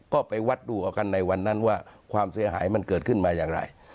ก็ไปวัดดูเอากันในวันนั้นว่าความเสียหายมันเกิดขึ้นมาอย่างไร